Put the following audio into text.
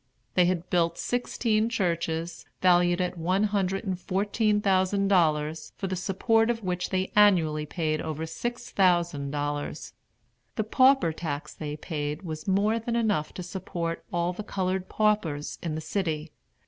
They had built sixteen churches, valued at one hundred and fourteen thousand dollars, for the support of which they annually paid over six thousand dollars. The pauper tax they paid was more than enough to support all the colored paupers in the city.